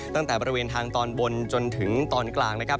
ตั้งแต่บริเวณทางตอนบนจนถึงตอนกลางนะครับ